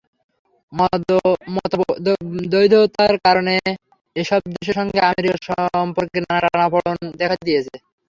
মতদ্বৈধতার কারণে এসব দেশের সঙ্গে আমেরিকার সম্পর্কে নানা টানাপোড়েন দেখা দিয়েছে।